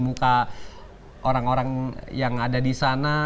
tapi kita bisa merasakan dan melihat dari mimik dan ekonomi yang terjadi di sini